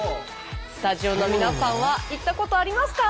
スタジオの皆さんは行ったことありますか？